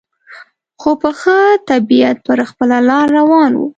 خو په ښه طبیعت پر خپله لار روان و.